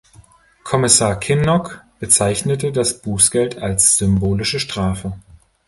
Kommissar Kinnock bezeichnete das Bußgeld als symbolische Strafe.